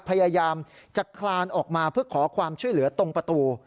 พยายามจะคลานออกมาเพื่อขอความช่วยเหลือตรงประตู